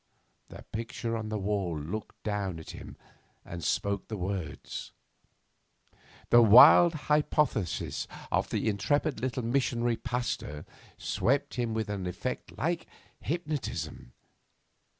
The picture on the wall looked down at him and spoke the words. The wild hypothesis of the intrepid little missionary pasteur swept him with an effect like hypnotism.